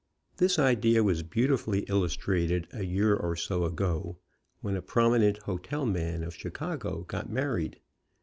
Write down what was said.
This idea was beautifully illustrated a year or so ago, when a prominent hotel man of Chi cago got married.